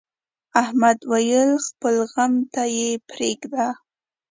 احمد وويل: خپل غم ته یې پرېږده.